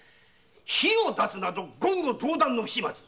火を出すなど言語道断の不始末。